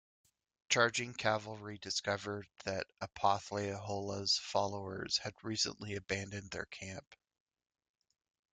Charging cavalry discovered that Opothleyahola's followers had recently abandoned their camp.